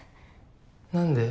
何で？